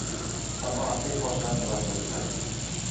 آنها از سه کارشناس نظر خواهی کردند.